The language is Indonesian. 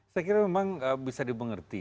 saya kira memang bisa dimengerti